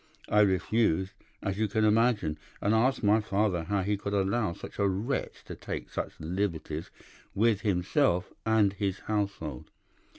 I refused, as you can imagine, and asked my father how he could allow such a wretch to take such liberties with himself and his household.